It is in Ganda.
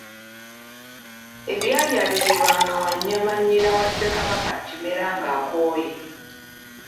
Ebyayalirirwanga Wannyana nnyina wa Ssekabaka Kimera ng'akooye.